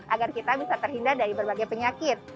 agar kita bisa terhindar dari berbagai penyakit